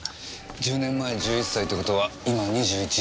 １０年前１１歳って事は今２１。